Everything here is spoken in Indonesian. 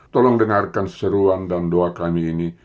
tolong dengarkan seruang dan doa kami ini